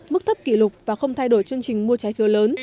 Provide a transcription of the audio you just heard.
mức thấp kỷ lục và không thay đổi chương trình mua trái phiếu lớn